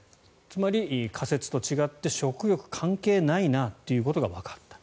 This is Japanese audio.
つまり仮説と違って食欲関係ないなということがわかった。